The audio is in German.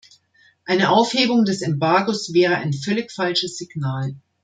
Eine Aufhebung des Embargos wäre ein völlig falsches Signal.